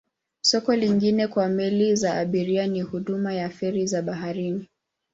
Soko lingine kwa meli za abiria ni huduma ya feri za baharini.